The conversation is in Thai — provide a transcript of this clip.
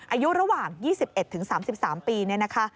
อายุระหว่าง๒๑๓๓ปีเนี่ยนะคะ